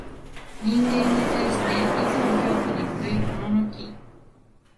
人間に対して、いつも恐怖に震いおののき、